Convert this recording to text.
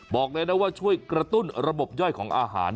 บอกเลยนะว่าช่วยกระตุ้นระบบย่อยของอาหาร